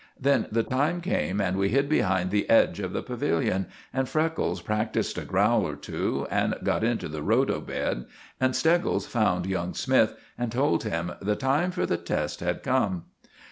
Then the time came, and we hid behind the edge of the pavilion, and Freckles practised a growl or two, and got into the rhodo. bed, and Steggles found young Smythe and told him the time for the test had come.